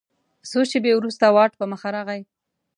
څو شیبې وروسته واټ په مخه راغی.